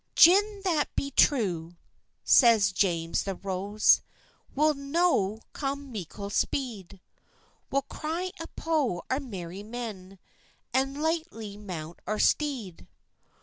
"Gin that be true," says James the Rose, "We'll no come meikle speed; We'll cry upo our merry men, And lichtly mount our steed."